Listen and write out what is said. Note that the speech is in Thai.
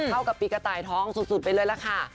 เข้ากับปีกระต่ายท้องสุดไปเลยล่ะค่ะ